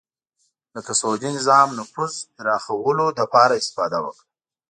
لکه سعودي نظام نفوذ پراخولو لپاره استفاده وکړه